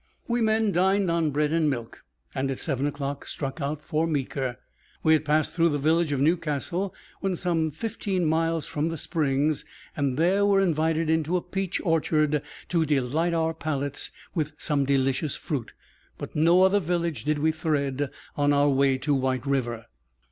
We men dined on bread and milk, and at seven o'clock struck out for Meeker. We had passed through the village of Newcastle when some fifteen miles from the Springs; and there were invited into a peach orchard to delight our palates with some delicious fruit, but no other village did we thread on our route to White River.